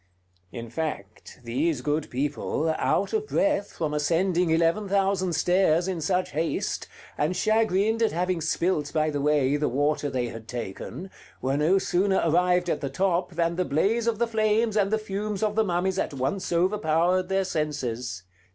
In fact, these good people, out of breath from ascending eleven thousand stairs in such haste, and chagrined at having spilt, by the way, the water they had taken, were no sooner arrived at the top than the blaze of the flames and the fumes of the mummies at once overpowered their senses.